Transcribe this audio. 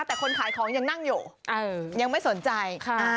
แต่คนขายของยังนั่งอยู่ยังไม่สนใจ